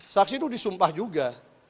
saksi itu disumpah juga